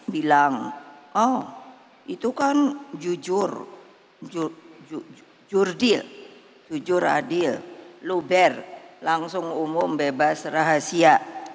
bilang oh itu kan jujur jurdil jujur adil luber langsung umum bebas rahasia